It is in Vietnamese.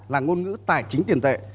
là ngôn ngữ tài chính tiền tệ